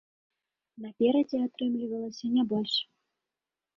Наперадзе атрымлівалася не больш.